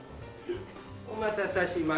お待たせしました。